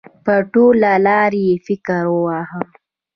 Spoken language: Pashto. په ټوله لار یې فکر واهه.